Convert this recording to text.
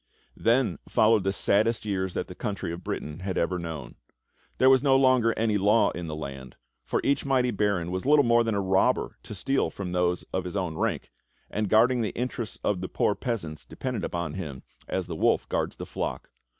Then followed the saddest years that the country of Britain had ever known. There was no longer any law in the land, for each mighty baron was little more than a robber to steal from those of his own rank, and guarding tlie interests of the poor peasants dependent upon him as the wolf guards the flock.